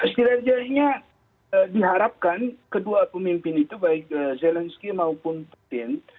setidaknya diharapkan kedua pemimpin itu baik zelensky maupun putin